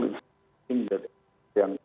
ini menjadi yang hmm